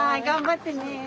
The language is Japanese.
頑張ってね。